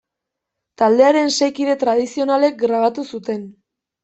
Taldearen sei kide tradizionalek grabatu zuten.